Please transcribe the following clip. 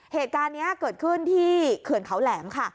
เหตุการณ์นี้เกิดขึ้นที่เขื่อนเขาแหลมค่ะ